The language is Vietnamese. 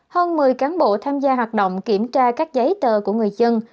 hơn một mươi cán bộ tham gia hoạt động kiểm tra các giấy tờ của người dân